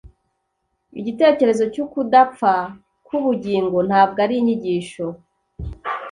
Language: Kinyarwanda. igitekerezo cy’ukudapfa k’ubugingo ntabwo ari inyigisho